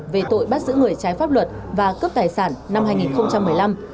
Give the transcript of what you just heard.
về tội bắt giữ người trái pháp luật và cướp tài sản năm hai nghìn một mươi năm